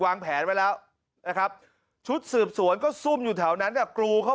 วางแผนไว้แล้วนะครับชุดสืบสวนก็ซุ่มอยู่แถวนั้นกรูเข้า